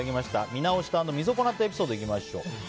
見直した＆見損なったエピソードいきましょう。